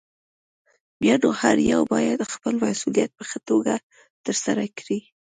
بيا نو هر يو بايد خپل مسؤليت په ښه توګه ترسره کړي.